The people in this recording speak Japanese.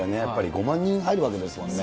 ５万人入るわけですもんね。